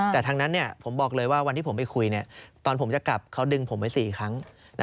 แต่ทางนั้นผมบอกเลยว่าวันที่ผมไปคุยตอนผมจะกลับเขาดึงผมไว้๔ครั้ง